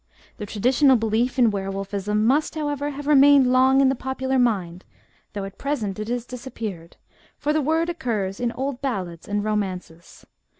The traditional belief in were wolfism must, however, have remained long in the popular mind, though at present it has disappeared, for the word occurs in old ballads and romances.